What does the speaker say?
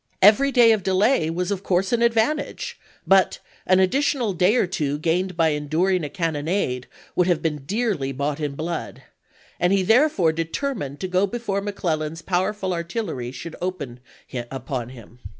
Every day of delay was of course an advantage, but "an additional day or two gained by enduring a cannonade would have been dearly bought in blood," and he there fore determined to go before McClellan's powerful artillery should open upon him.